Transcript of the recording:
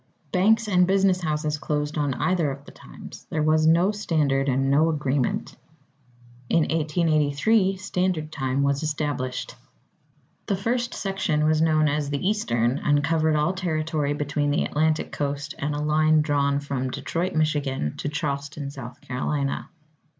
Banks and business houses closed on either of the times. There was no standard and no agreement. In 1883, Standard Time was established. The First Section was known as the Eastern, and covered all territory between the Atlantic Coast and a line drawn from Detroit, Michigan, to Charleston, South Carolina.